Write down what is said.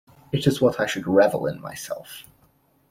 It is what I should revel in myself.